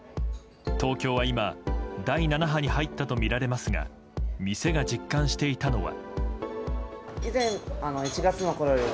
東京は今第７波に入ったとみられますが店が実感していたのは。